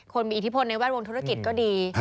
คนมีอิทธิพลในแวดวงธุรกิจก็ดี